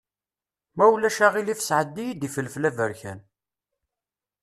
Ma ulac aɣilif sɛeddi-yi-d ifelfel aberkan.